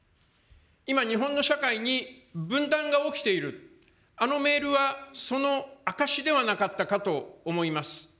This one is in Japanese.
今、日本の社会に分断が起きている、あのメールはその証しではなかったかと思います。